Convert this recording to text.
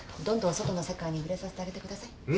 どんどん外の世界に触れさせてあげてください。